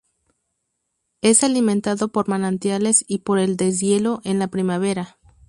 Es alimentado por manantiales y por el deshielo en la primavera.